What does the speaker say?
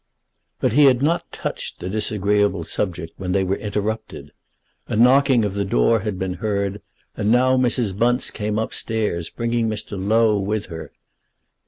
But he had not touched the disagreeable subject when they were interrupted. A knocking of the door had been heard, and now Mrs. Bunce came upstairs, bringing Mr. Low with her.